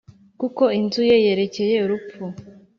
kuko inzu ye yerekeye urupfu,